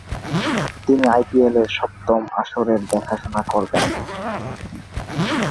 তিনি আইপিএলের সপ্তম আসরের দেখাশোনা করবেন।